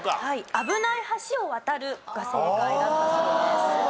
「危ない橋を渡る」が正解だったそうです。